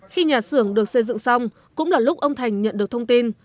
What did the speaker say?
khi nhà xưởng được xây dựng xong cũng là lúc ông thành nhận được thông tin